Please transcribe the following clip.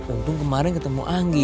untung kemarin ketemu anggi